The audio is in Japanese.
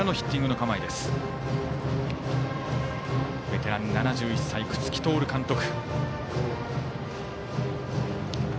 ベテラン７１歳、楠城徹監督。